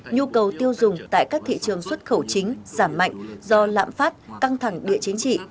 nhu cầu tiêu dùng tại các thị trường xuất khẩu chính giảm mạnh do lạm phát căng thẳng địa chính trị